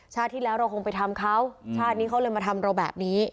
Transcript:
ที่แล้วเราคงไปทำเขาชาตินี้เขาเลยมาทำเราแบบนี้